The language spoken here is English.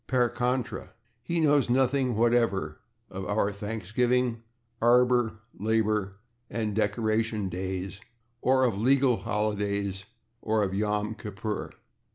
/Per contra/, he knows nothing whatever of our /Thanksgiving/, /Arbor/, /Labor/ and /Decoration Days/, or of /legal holidays/, or of /Yom Kippur